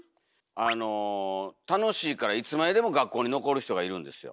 あの楽しいからいつまででも学校に残る人がいるんですよ。